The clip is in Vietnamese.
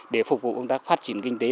để phục vụ công tác phát triển kinh tế